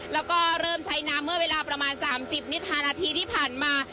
แล้วก็เริ่มใช้น้ำเมื่อเวลาประมาณ๓๐นิท๕นาทีที่ผ่านมา